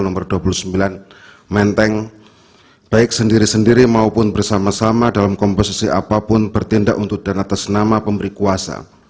nomor dua puluh sembilan menteng baik sendiri sendiri maupun bersama sama dalam komposisi apapun bertindak untuk dan atas nama pemberi kuasa